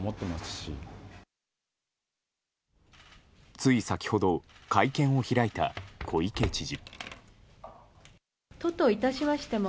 つい先ほど会見を開いた小池知事。